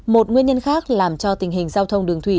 một nguyên nhân khác làm cho tình hình giao thông đường thủy